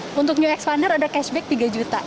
untuk new expander ada cashback tiga juta